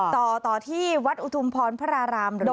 ต่อต่อที่วัดอุทุมพรพระรามหรือว่า